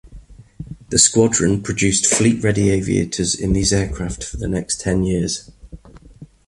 The squadron produced fleet ready aviators in these aircraft for the next ten years.